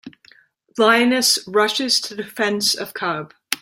Lioness Rushes to Defense of Cub.